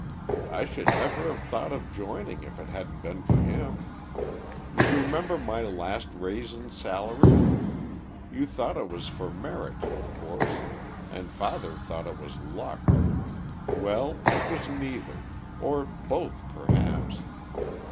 I should never have thought of joining if it hadn't been for him. You remember my last raise in salary? You thought it was for merit, of course, and father thought it was luck. Well, it was neither or both, perhaps.